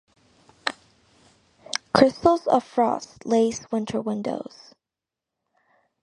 Crystals of frost lace winter windows.